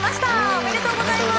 おめでとうございます。